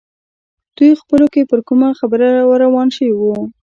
دوی خپلو کې پر کومه خبره وران شوي وو.